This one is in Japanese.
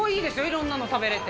いろんなの食べれて。